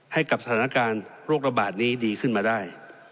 ให้กับสถานการณ์โรคระบาดนี้ดีขึ้นมาได้